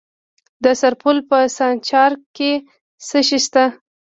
د سرپل په سانچارک کې څه شی شته؟